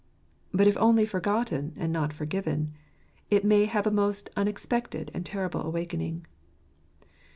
But if only forgotten, and not forgiven, it may have a most unexpected and terrible awakening.